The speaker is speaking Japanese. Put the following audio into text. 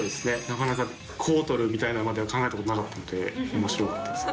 なかなかこう撮るみたいなまでは考えたことなかったので面白かったです。